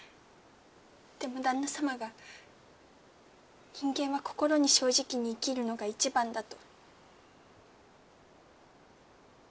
でも旦那様が人間は心に正直に生きるのが一番だと。